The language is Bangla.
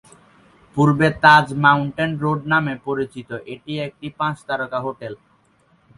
পূর্বে তাজ মাউন্ট রোড নামে পরিচিত, এটি একটি পাঁচ তারকা হোটেল।